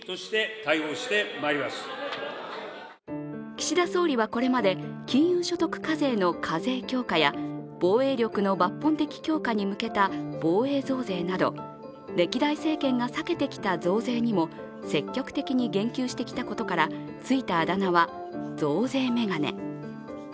岸田総理は、これまで金融所得課税の課税強化や防衛力の抜本的強化に向けた防衛増税など歴代政権が避けてきた増税にも積極的に言及してきたことからついたあだ名は、増税メガネ。